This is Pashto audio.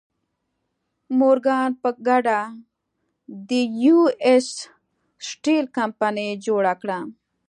مورګان په ګډه د یو ایس سټیل کمپنۍ جوړه کړه.